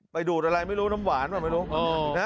ไปดูดเอาอะไรไม่รู้น้ำหวานไปด้วย